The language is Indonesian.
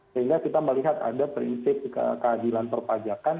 sehingga kita melihat ada prinsip keadilan perpajakan